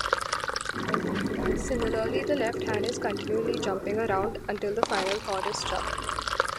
Similarly, the left hand is continually jumping around until the final chord is struck.